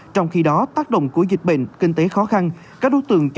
trong khi đó tác động của dịch bệnh kinh tế khó khăn